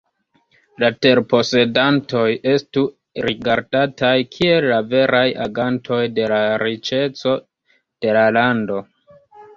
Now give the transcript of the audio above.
La terposedantoj estu rigardataj kiel la veraj agantoj de la riĉeco de la lando.